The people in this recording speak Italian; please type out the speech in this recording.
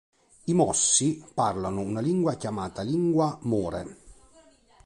I Mossi parlano una lingua chiamata lingua more.